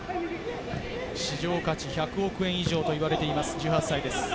市場価値１００億円以上と言われている１８歳です。